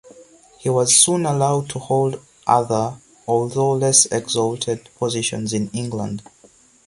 He was soon allowed to hold other although less exalted positions in England.